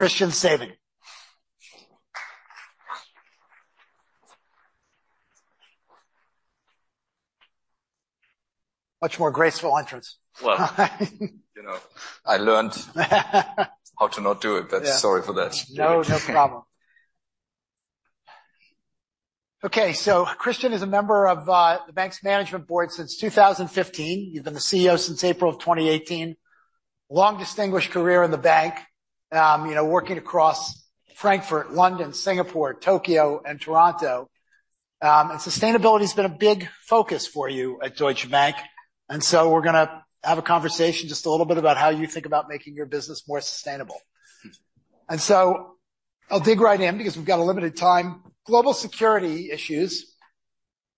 Christian Sewing. Much more graceful entrance. Well, you know, I learned how to not do it. Yeah. Sorry for that. No, no problem. Okay, so Christian is a member of the bank's management board since 2015. He's been the CEO since April of 2018. Long distinguished career in the bank, you know, working across Frankfurt, London, Singapore, Tokyo, and Toronto. And sustainability has been a big focus for you at Deutsche Bank, and so we're gonna have a conversation just a little bit about how you think about making your business more sustainable. And so I'll dig right in because we've got a limited time. Global security issues,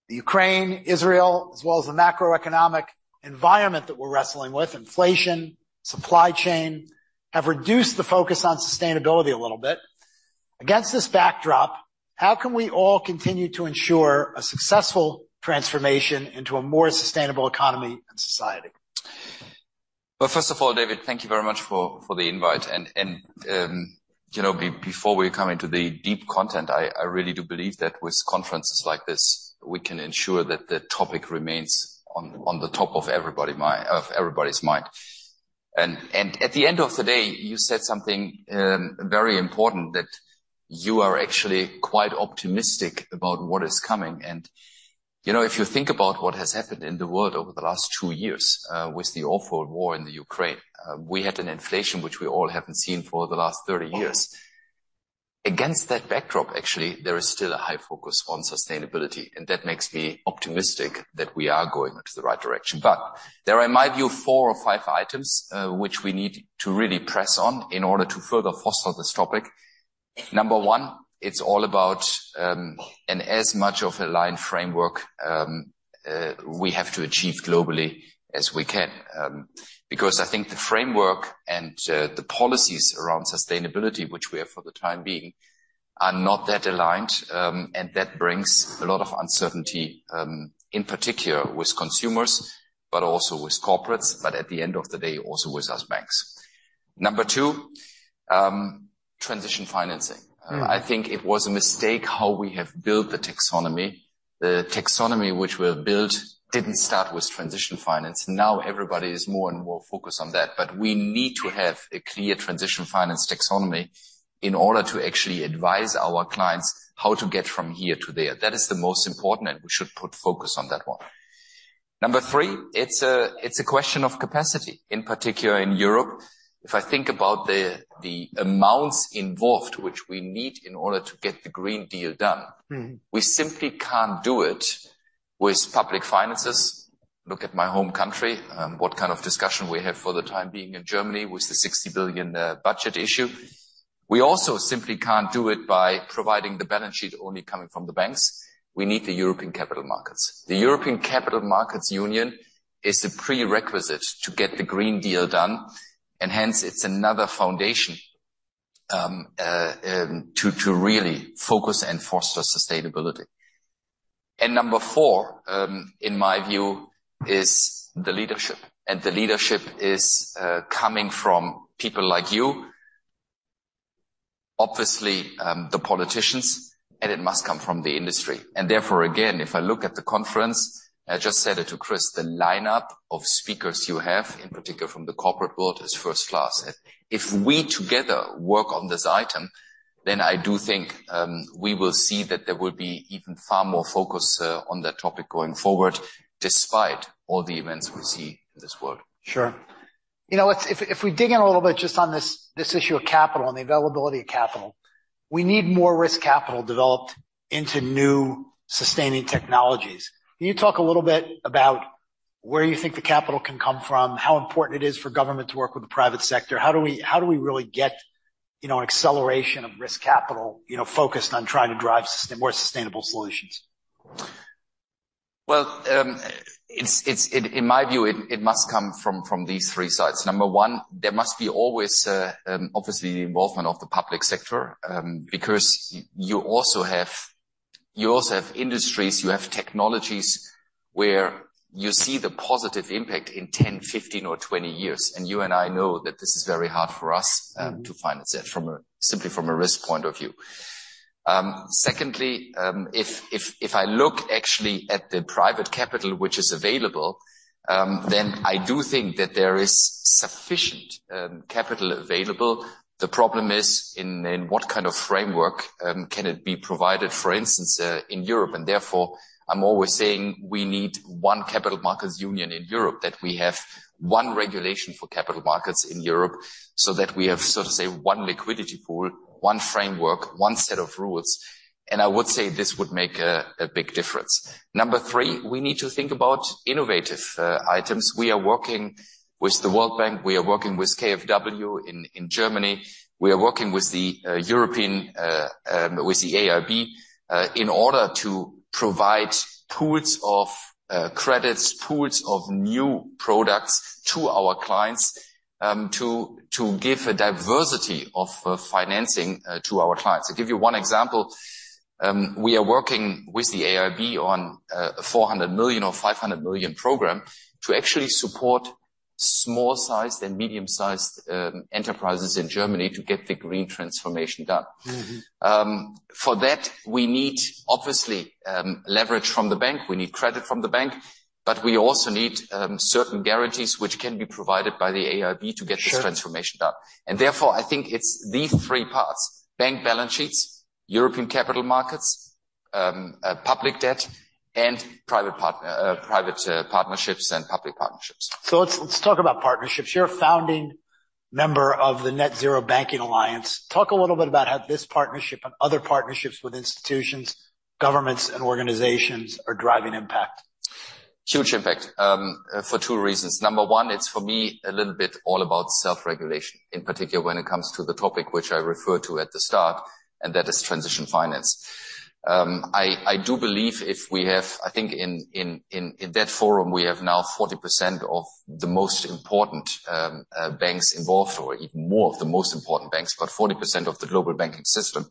the Ukraine, Israel, as well as the macroeconomic environment that we're wrestling with, inflation, supply chain, have reduced the focus on sustainability a little bit. Against this backdrop, how can we all continue to ensure a successful transformation into a more sustainable economy and society? Well, first of all, David, thank you very much for the invite. And you know, before we come into the deep content, I really do believe that with conferences like this, we can ensure that the topic remains on the top of everybody's mind. And at the end of the day, you said something very important, that you are actually quite optimistic about what is coming. And you know, if you think about what has happened in the world over the last two years, with the awful war in the Ukraine, we had an inflation, which we all haven't seen for the last 30 years. Against that backdrop, actually, there is still a high focus on sustainability, and that makes me optimistic that we are going into the right direction. But there, in my view, are four or five items, which we need to really press on in order to further foster this topic. Number one, it's all about, and as much of a line framework, we have to achieve globally as we can. Because I think the framework and, the policies around sustainability, which we have for the time being, are not that aligned, and that brings a lot of uncertainty, in particular with consumers, but also with corporates, but at the end of the day, also with us banks. Number two, transition financing. I think it was a mistake how we have built the taxonomy. The taxonomy which we have built didn't start with transition finance. Now everybody is more and more focused on that. But we need to have a clear transition finance taxonomy in order to actually advise our clients how to get from here to there. That is the most important, and we should put focus on that one. Number three, it's a question of capacity, in particular in Europe. If I think about the amounts involved which we need in order to get the Green Deal done. We simply can't do it with public finances. Look at my home country, what kind of discussion we have for the time being in Germany with the 60 billion budget issue. We also simply can't do it by providing the balance sheet only coming from the banks. We need the European capital markets. The European Capital Markets Union is a prerequisite to get the Green Deal done, and hence it's another foundation to really focus and foster sustainability. And number four, in my view, is the leadership. And the leadership is coming from people like you, obviously, the politicians, and it must come from the industry. And therefore, again, if I look at the conference, I just said it to Chris, the lineup of speakers you have, in particular from the corporate world, is first class. If we together work on this item, then I do think, we will see that there will be even far more focus on that topic going forward, despite all the events we see in this world. Sure. You know, let's, if we dig in a little bit just on this issue of capital and the availability of capital, we need more risk capital developed into new sustaining technologies. Can you talk a little bit about where you think the capital can come from, how important it is for government to work with the private sector? How do we really get, you know, acceleration of risk capital, you know, focused on trying to drive more sustainable solutions? Well, it's in my view, it must come from these three sides. Number one, there must be always obviously the involvement of the public sector, because you also have industries, you have technologies where you see the positive impact in 10, 15, or 20 years. And you and I know that this is very hard for us to finance it from a, simply from a risk point of view. Secondly, if I look actually at the private capital which is available, then I do think that there is sufficient, capital available. The problem is in what kind of framework, can it be provided, for instance, in Europe? And therefore, I'm always saying we need one Capital Markets Union in Europe, that we have one regulation for capital markets in Europe, so that we have, so to say, one liquidity pool, one framework, one set of rules, and I would say this would make a big difference. Number three, we need to think about innovative, items. We are working with the World Bank. We are working with KfW in Germany. We are working with the European with the EIB in order to provide pools of credits, pools of new products to our clients, to give a diversity of financing to our clients. To give you one example, we are working with the EIB on a 400 million or 500 million program to actually support small-sized and medium-sized enterprises in Germany to get the green transformation done. For that, we need obviously, leverage from the bank. We need credit from the bank, but we also need, certain guarantees which can be provided by the EIB to get- Sure ...this transformation done. And therefore, I think it's these three parts: bank balance sheets, European capital markets, public debt, and private partnerships and public partnerships. So let's talk about partnerships. You're a founding member of the Net-Zero Banking Alliance. Talk a little bit about how this partnership and other partnerships with institutions, governments, and organizations are driving impact. Huge impact for two reasons. Number one, it's for me a little bit all about self-regulation, in particular when it comes to the topic which I referred to at the start, and that is transition finance. I do believe if we have-- I think in that forum, we have now 40% of the most important banks involved, or even more of the most important banks, but 40% of the global banking system.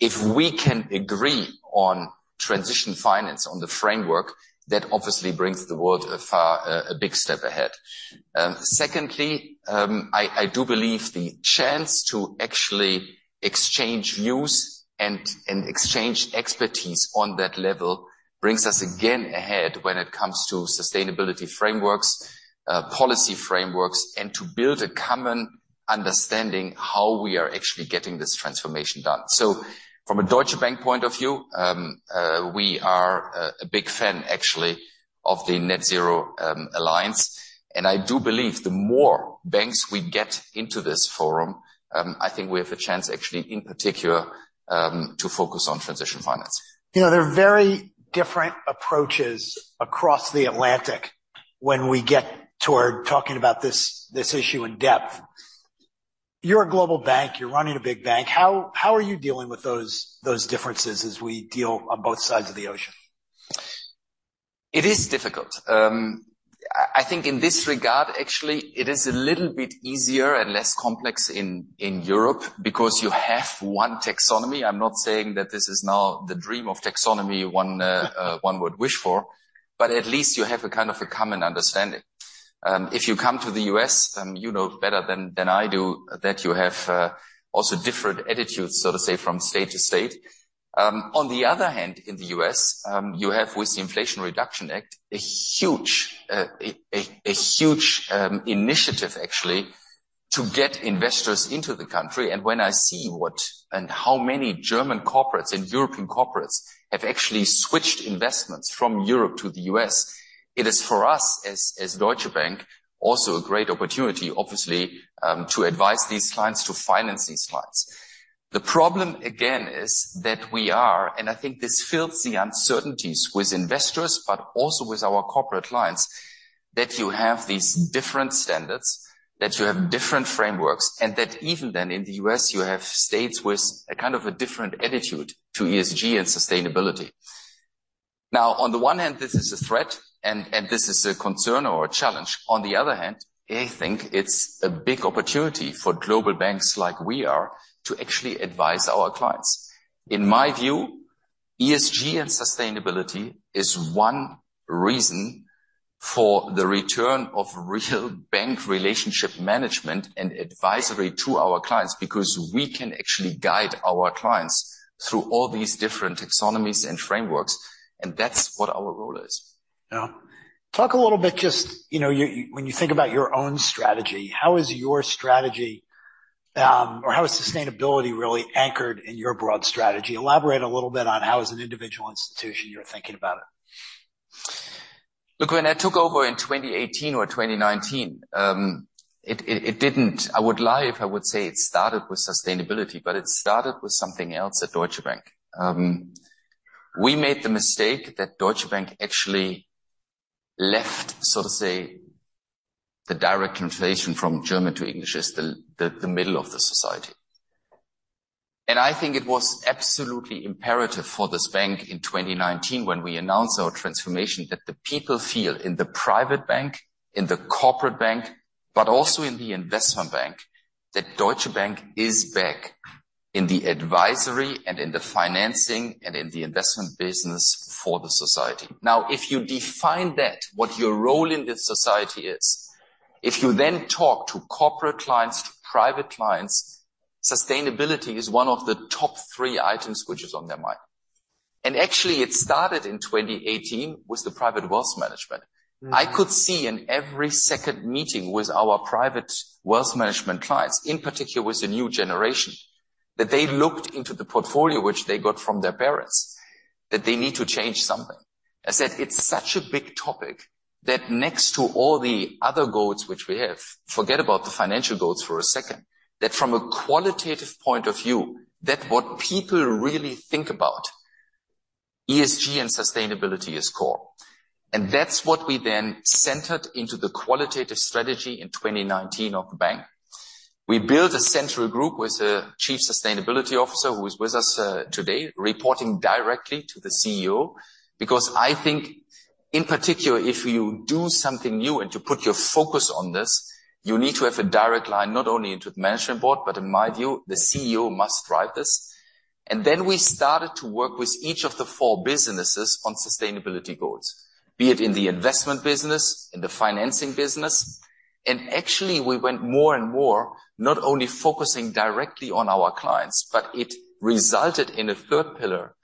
If we can agree on transition finance, on the framework, that obviously brings the world a far, a big step ahead. Secondly, I, I do believe the chance to actually exchange views and, and exchange expertise on that level brings us again ahead when it comes to sustainability frameworks, policy frameworks, and to build a common understanding how we are actually getting this transformation done. So from a Deutsche Bank point of view, we are a, a big fan actually of the Net-Zero Alliance, and I do believe the more banks we get into this forum, I think we have a chance actually in particular, to focus on transition finance. You know, there are very different approaches across the Atlantic when we get toward talking about this, this issue in depth. You're a global bank, you're running a big bank. How, how are you dealing with those, those differences as we deal on both sides of the ocean? It is difficult. I think in this regard, actually, it is a little bit easier and less complex in Europe because you have one taxonomy. I'm not saying that this is now the dream of taxonomy one would wish for, but at least you have a kind of a common understanding. If you come to the U.S., you know better than I do, that you have also different attitudes, so to say, from state to state. On the other hand, in the U.S., you have, with the Inflation Reduction Act, a huge initiative actually to get investors into the country. When I see what and how many German corporates and European corporates have actually switched investments from Europe to the U.S., it is for us, as Deutsche Bank, also a great opportunity, obviously, to advise these clients to finance these clients. The problem, again, is that we are, and I think this fills the uncertainties with investors, but also with our corporate clients, that you have these different standards, that you have different frameworks, and that even then in the U.S., you have states with a kind of a different attitude to ESG and sustainability. Now, on the one hand, this is a threat and this is a concern or a challenge. On the other hand, I think it's a big opportunity for global banks like we are, to actually advise our clients. In my view, ESG and sustainability is one reason for the return of real bank relationship management and advisory to our clients, because we can actually guide our clients through all these different taxonomies and frameworks, and that's what our role is. Yeah. Talk a little bit, just, you know, when you think about your own strategy, how is your strategy, or how is sustainability really anchored in your broad strategy? Elaborate a little bit on how as an individual institution, you're thinking about it. Look, when I took over in 2018 or 2019, it didn't... I would lie if I would say it started with sustainability, but it started with something else at Deutsche Bank. We made the mistake that Deutsche Bank actually left, so to say, the direct translation from German to English, is the middle of the society. And I think it was absolutely imperative for this bank in 2019, when we announced our transformation, that the people feel in the private bank, in the corporate bank, but also in the investment bank, that Deutsche Bank is back in the advisory and in the financing and in the investment business for the society. Now, if you define that, what your role in this society is, if you then talk to corporate clients, to private clients, sustainability is one of the top three items which is on their mind. Actually, it started in 2018 with the private wealth management. I could see in every second meeting with our private wealth management clients, in particular with the new generation, that they looked into the portfolio which they got from their parents, that they need to change something. I said, "It's such a big topic, that next to all the other goals which we have, forget about the financial goals for a second, that from a qualitative point of view, that what people really think about, ESG and sustainability is core." And that's what we then centered into the qualitative strategy in 2019 of the bank. We built a central group with a chief sustainability officer, who is with us today, reporting directly to the CEO, because I think, in particular, if you do something new and you put your focus on this, you need to have a direct line, not only into the management board, but in my view, the CEO must drive this. And then we started to work with each of the four businesses on sustainability goals. Be it in the investment business, in the financing business, and actually, we went more and more, not only focusing directly on our clients, but it resulted in a third pillar,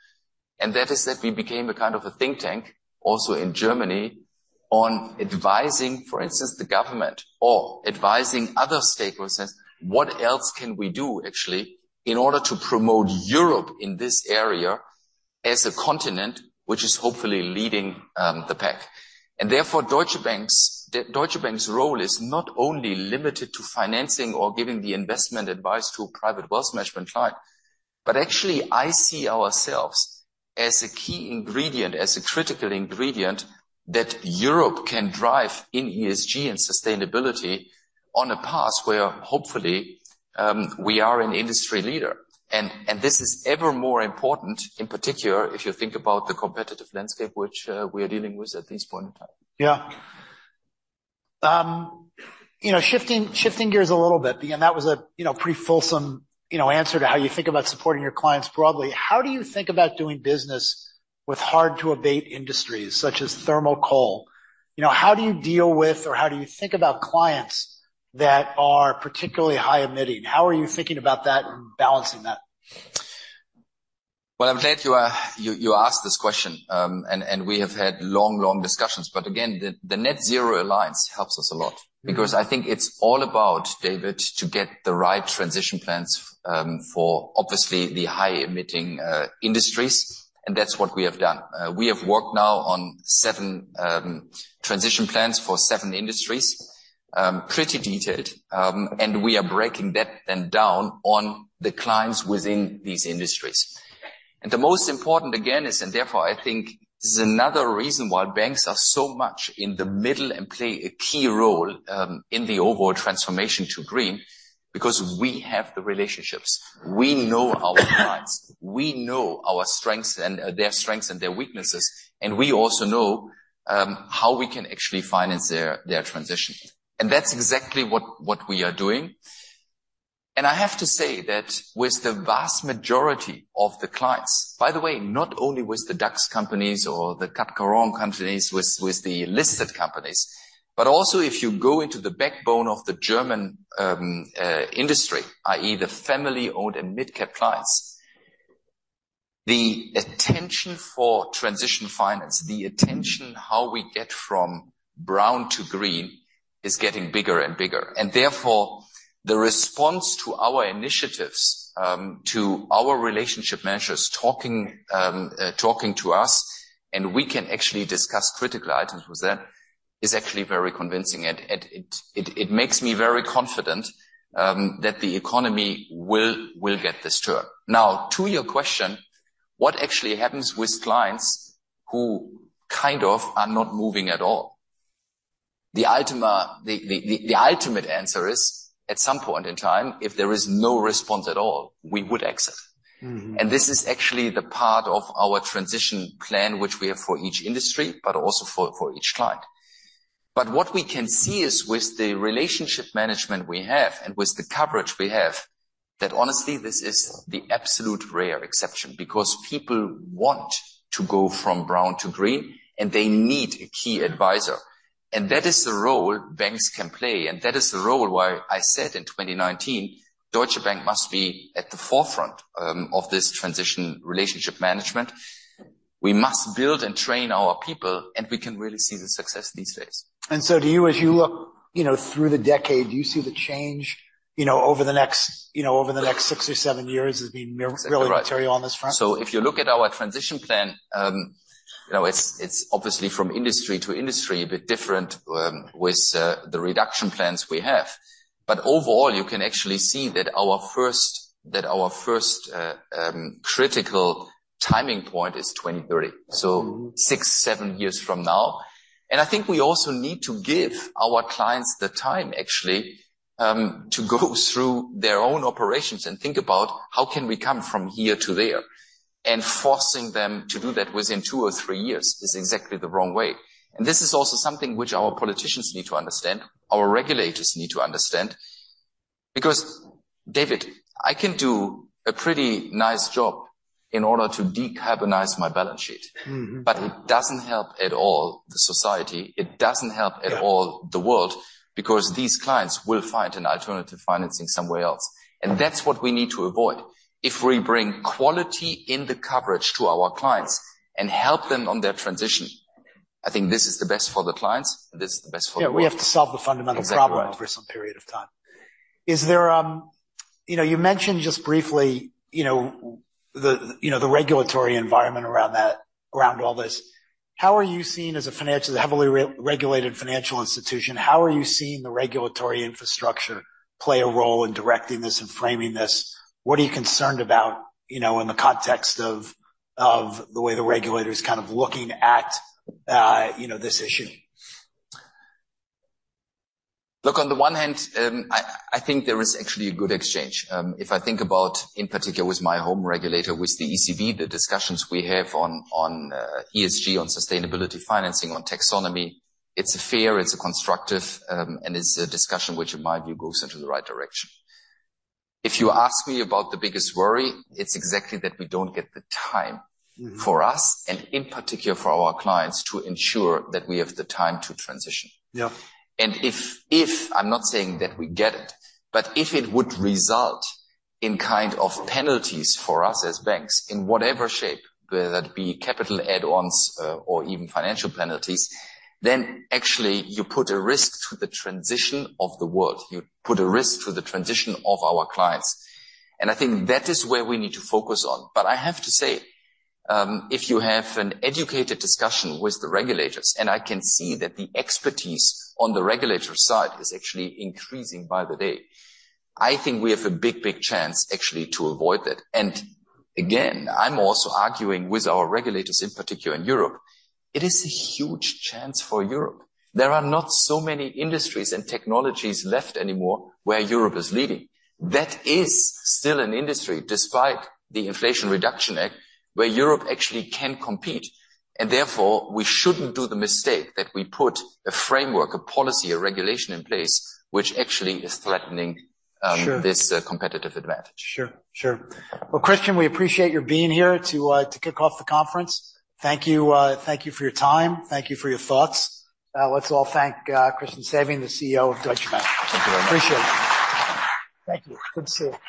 and that is that we became a kind of a think tank, also in Germany, on advising, for instance, the government or advising other stakeholders, what else can we do actually, in order to promote Europe in this area as a continent which is hopefully leading the pack? And therefore, Deutsche Bank's, Deutsche Bank's role is not only limited to financing or giving the investment advice to a private wealth management client, but actually I see ourselves as a key ingredient, as a critical ingredient, that Europe can drive in ESG and sustainability on a path where hopefully we are an industry leader. And this is ever more important, in particular, if you think about the competitive landscape which we are dealing with at this point in time. Yeah. You know, shifting gears a little bit, again, that was a, you know, pretty fulsome, you know, answer to how you think about supporting your clients broadly. How do you think about doing business with hard-to-abate industries, such as thermal coal? You know, how do you deal with or how do you think about clients that are particularly high emitting? How are you thinking about that and balancing that? Well, I'm glad you asked this question. And we have had long, long discussions. But again, the Net-Zero Alliance helps us a lot because I think it's all about, David, to get the right transition plans for obviously the high emitting industries, and that's what we have done. We have worked now on seven transition plans for seven industries, pretty detailed, and we are breaking that then down on the clients within these industries. And the most important, again, is-- And therefore, I think this is another reason why banks are so much in the middle and play a key role in the overall transformation to green, because we have the relationships. We know our clients, we know our strengths and their strengths and their weaknesses, and we also know how we can actually finance their, their transition. And that's exactly what, what we are doing. And I have to say that with the vast majority of the clients, by the way, not only with the DAX companies or the CAC 40 companies, with the listed companies, but also if you go into the backbone of the German industry, i.e., the family-owned and midcap clients, the attention for transition finance, the attention, how we get from brown to green, is getting bigger and bigger. And therefore, the response to our initiatives, to our relationship managers talking to us, and we can actually discuss critical items with them, is actually very convincing. And it makes me very confident that the economy will get this turn. Now, to your question, what actually happens with clients who kind of are not moving at all? The item, the ultimate answer is, at some point in time, if there is no response at all, we would exit. This is actually the part of our transition plan, which we have for each industry, but also for each client. What we can see is with the relationship management we have and with the coverage we have, that honestly, this is the absolute rare exception, because people want to go from brown to green, and they need a key advisor. That is the role banks can play, and that is the role why I said in 2019, Deutsche Bank must be at the forefront of this transition relationship management. We must build and train our people, and we can really see the success these days. And so do you, as you look, you know, through the decade, do you see the change, you know, over the next, you know, over the next six or seven years as being really- Right ..material on this front? So if you look at our transition plan, you know, it's obviously from industry to industry a bit different with the reduction plans we have. But overall, you can actually see that our first critical timing point is 2030, so six, seven years from now. And I think we also need to give our clients the time, actually, to go through their own operations and think about how can we come from here to there. And forcing them to do that within two or three years is exactly the wrong way. And this is also something which our politicians need to understand, our regulators need to understand, because, David, I can do a pretty nice job in order to decarbonize my balance sheet. But it doesn't help at all the society, it doesn't help at all- Yeah... the world, because these clients will find an alternative financing somewhere else. That's what we need to avoid. If we bring quality in the coverage to our clients and help them on their transition, I think this is the best for the clients, and this is the best for the world. Yeah, we have to solve the fundamental problem- Exactly... for some period of time. Is there... You know, you mentioned just briefly, you know, the, you know, the regulatory environment around that, around all this. How are you seeing as a financial, heavily re-regulated financial institution, how are you seeing the regulatory infrastructure play a role in directing this and framing this? What are you concerned about, you know, in the context of, of the way the regulator is kind of looking at, you know, this issue? Look, on the one hand, I, I think there is actually a good exchange. If I think about, in particular, with my home regulator, with the ECB, the discussions we have on ESG, on sustainability financing, on taxonomy, it's a fair, it's a constructive, and it's a discussion which, in my view, goes into the right direction. If you ask me about the biggest worry, it's exactly that we don't get the time for us, and in particular for our clients, to ensure that we have the time to transition. Yeah. And if I'm not saying that we get it, but if it would result in kind of penalties for us as banks, in whatever shape, whether that be capital add-ons, or even financial penalties, then actually you put a risk to the transition of the world. You put a risk to the transition of our clients. And I think that is where we need to focus on. But I have to say, if you have an educated discussion with the regulators, and I can see that the expertise on the regulator side is actually increasing by the day, I think we have a big, big chance actually to avoid that. And again, I'm also arguing with our regulators, in particular in Europe. It is a huge chance for Europe. There are not so many industries and technologies left anymore where Europe is leading. That is still an industry, despite the Inflation Reduction Act, where Europe actually can compete, and therefore, we shouldn't do the mistake that we put a framework, a policy, a regulation in place which actually is threatening- Sure... this competitive advantage. Sure, sure. Well, Christian, we appreciate your being here to to kick off the conference. Thank you, thank you for your time. Thank you for your thoughts. Let's all thank Christian Sewing, the CEO of Deutsche Bank. Thank you very much. Appreciate it. Thank you. Good to see you.